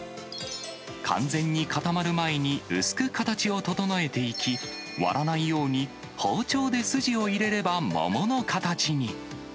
完全に固まる前に、薄く形を整えていき、割らないように包丁で筋を入れれば桃の形に。